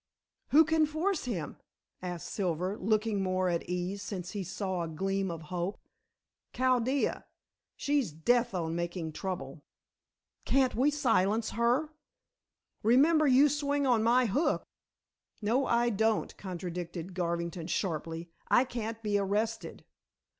"Who can force him?" asked Silver, looking more at ease, since he saw a gleam of hope. "Chaldea! She's death on making trouble." "Can't we silence her? Remember you swing on my hook." "No, I don't," contradicted Garvington sharply. "I can't be arrested."